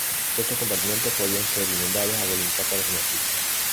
Estos compartimentos podían ser inundados a voluntad para sumergirse.